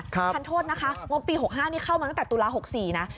ทันโทษนะคะงบปี๖๕นี่เข้ามาตั้งแต่ตุลา๖๔นะ